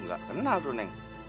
nggak kenal tuh neng